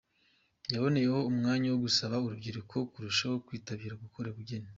Yaboneyeho umwanya wo gusaba urubyiruko kurushaho kwitabira gukora ubugeni.